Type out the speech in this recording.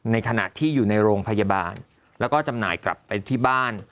ในขณะที่อยู่ในโรงพยาบาลแล้วก็จำหน่ายกลับไปที่บ้าน